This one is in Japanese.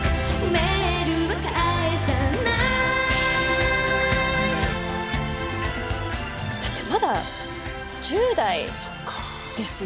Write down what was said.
メールは返さないだってまだ１０代ですよ。